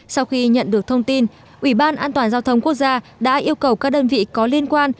sau khi nhận được thông tin ủy ban an toàn giao thông quốc gia đã yêu cầu các đơn vị có liên quan